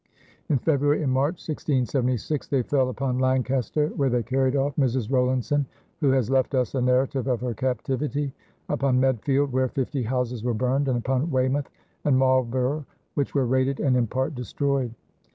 In February and March, 1676, they fell upon Lancaster, where they carried off Mrs. Rowlandson, who has left us a narrative of her captivity; upon Medfield, where fifty houses were burned; and upon Weymouth and Marlborough, which were raided and in part destroyed.